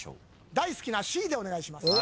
大好きなＣでお願いします。